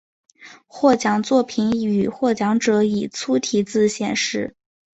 获奖作品与获奖者以粗体字显示。